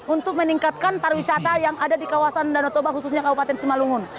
untuk meningkatkan pariwisata yang ada di kawasan danau toba khususnya kabupaten simalungun